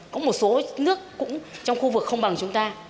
có một số nước cũng trong khu vực không bằng chúng ta